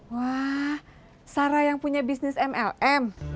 wah sarah yang punya bisnis mlm